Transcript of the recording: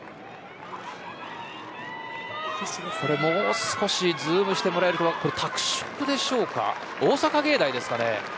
もう少しズームしてもらえると大阪芸大ですかね。